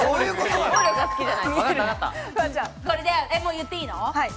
言っていいの？